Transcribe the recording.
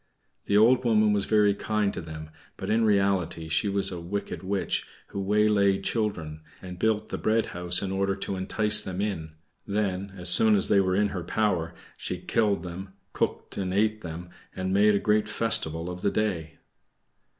The old woman was very kind to them, but in reality she was a wicked witch who waylaid children, and built the bread house in order to entice them in; then as soon as they were in her power she killed them, cooked and ate them, and made a great festival of the day.